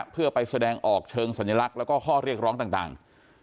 เพื่อไปแสดงออกเชิงสัญลักษณ์แล้วก็ข้อเรียกร้องต่าง